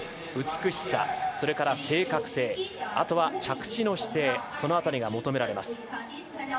美しさ、それから正確性あとは着地の姿勢その辺りが求められます。